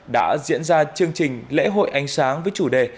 đã diễn ra chương trình lễ hội ánh sáng với chủ đề